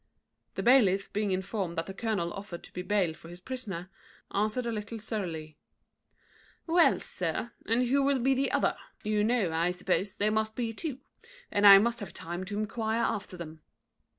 The bailiff, being informed that the colonel offered to be bail for his prisoner, answered a little surlily, "Well, sir, and who will be the other? you know, I suppose, there must be two; and I must have time to enquire after them."